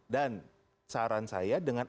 dan saran saya dengan